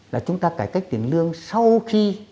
là chúng ta cải cách tiền lương sau khi